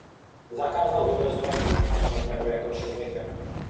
Zakázal zobrazování Ducha svatého jako člověka.